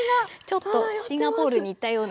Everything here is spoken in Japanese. ちょっとシンガポールに行ったような。